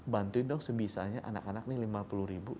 bantuin dong sebisanya anak anak nih lima puluh ribu